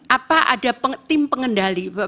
apa ada tim pengendali